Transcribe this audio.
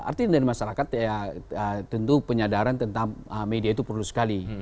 artinya dari masyarakat ya tentu penyadaran tentang media itu perlu sekali